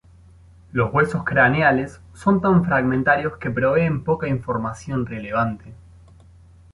Los huesos craneales son tan fragmentarios que proveen poca información relevante.